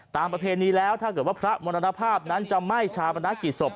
ตามประเพศนี้แล้วถ้าเกิดว่าพระมณภาพนั้นจะไหม้ชาวบรณกิจศพ